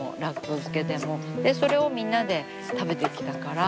それをみんなで食べてきたから。